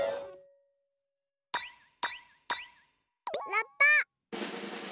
ラッパ！